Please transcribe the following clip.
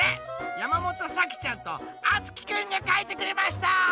やまもとさきちゃんとあつきくんがかいてくれました！